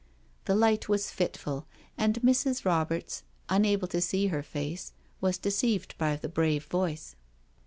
The light was fitful, and Mrs. Roberts, unable to see her face, was deceived by the brave voice.